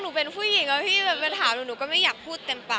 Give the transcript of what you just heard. หนูเป็นผู้หญิงว่ะพี่เผยถ้ามหนูก็ไม่อยากพูดเต็มเปล่า